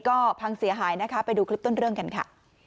ก็พังเสียหายนะคะไปดูคลิปต้นเรื่องกันค่ะ